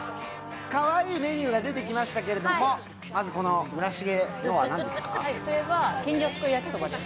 かわいいメニューが出てきましたけれども、村重のは何ですか？